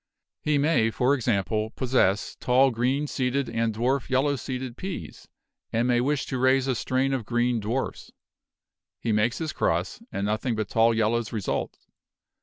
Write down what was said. He may, for example, possess tall green seeded and dwarf yellow seeded peas, and may wish to raise a strain of green dwarfs. He makes his cross — and nothing but tall yel lows result.